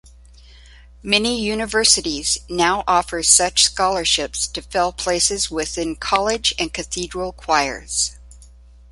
Many universities now offer such scholarships to fill places within college and cathedral choirs.